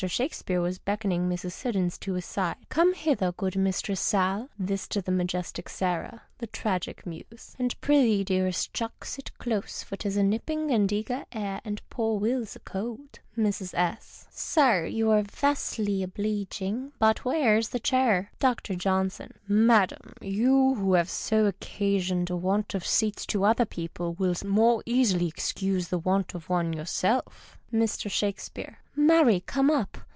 Shakespeare was beckoning Mrs. Siddons to his side. " Come hither, good mistress Sal " (this to the majestic Sarah, the Tragic Muse !)," and prythcc, dearest clnick, sit close, for 'tis a nipping and an eager air, and poor Will's a cold." Mus. S.— Sir, you are vastly oblecging, but where's the chair ? Dr. Johnson. — Madam, you wlio have so often occasioned a want of seats to other people, will the more easily excuse the want of one yourself. Mr. Shakespeaue. — Marry come up